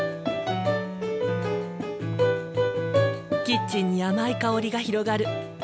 キッチンに甘い香りが広がる。